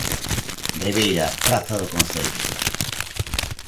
Ribeira, Praza do Concello.